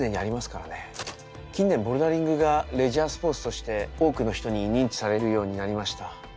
近年ボルダリングがレジャースポーツとして多くの人に認知されるようになりました。